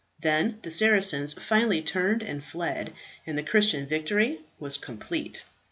Then the Saracens finally turned and fled, and the Christian victory was complete.